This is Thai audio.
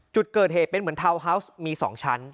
จุดเกิดเหตุเป็นเหมือนทาวน์ฮาวส์มี๒ชั้น